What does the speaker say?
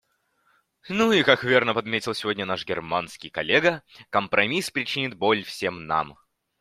Ну и как верно подметил сегодня наш германский коллега, компромисс причинит боль всем нам.